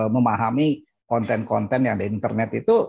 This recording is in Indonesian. memahami konten konten yang ada internet itu